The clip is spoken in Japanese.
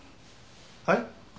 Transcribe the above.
はい？